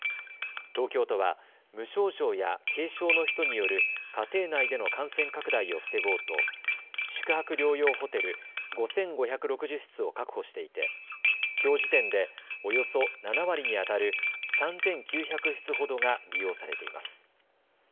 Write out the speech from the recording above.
東京都は無症状や軽症の人による家庭内での感染拡大を防ごうと宿泊療養ホテル５５６０室を確保していてきょう時点でおよそ７割にあたる３９００室ほどが利用されています。